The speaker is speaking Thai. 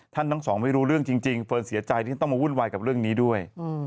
ทั้งสองไม่รู้เรื่องจริงเฟิร์นเสียใจที่ต้องมาวุ่นวายกับเรื่องนี้ด้วย